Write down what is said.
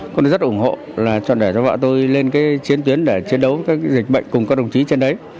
cũng rất ủng hộ là chọn để cho vợ tôi lên chiến tuyến để chiến đấu với dịch bệnh cùng các đồng chí trên đấy